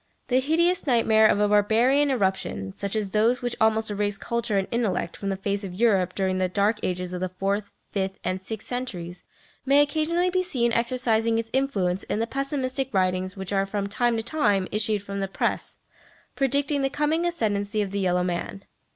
The hideous nightmare of a barbarian irruption, such as those which almost erased culture and intellect from the face of Europe during the dark ages of the fourth, fifth and sixth centuries, may occasionally be seen exercising its influence in the pessimistic writings which are from time to time issued from the Press predicting the coming ascendency of the yellow man.